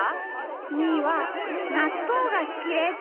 みーはなっとうがすきです。